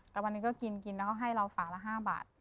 ตอนนึงก็กินคิดแล้วก็ให้เราฝากละ๕บาท